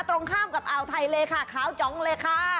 ตรงข้ามกับอ่าวไทยเลยค่ะขาวจองเลยค่ะ